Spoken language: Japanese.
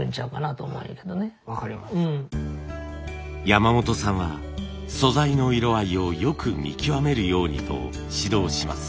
山本さんは素材の色合いをよく見極めるようにと指導します。